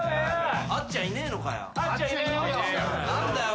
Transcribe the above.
あっちゃんいねえのかよ。